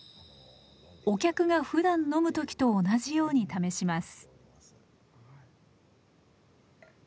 お客がふだん飲む時と同じように試します。